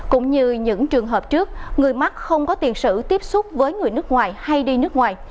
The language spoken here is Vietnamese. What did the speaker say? cũng như những trường hợp trước người mắc không có tiền sử tiếp xúc với người nước ngoài hay đi nước ngoài